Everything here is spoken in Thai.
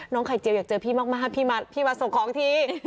ไข่เจียวอยากเจอพี่มากพี่มาส่งของที